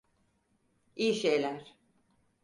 İyi şeyler.